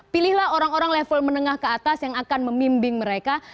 pilihlah orang orang level menengah ke atas yang akan memimbing mereka